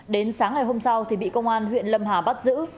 đến sáng ngày hôm sau thì bị công an huyện lâm hà bắt giữ